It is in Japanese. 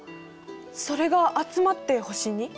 それが集まって星に？